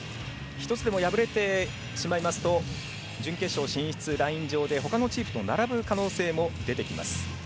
１つでも敗れてしまうと準決勝進出ライン上でほかのチームと並ぶ可能性も出てきます。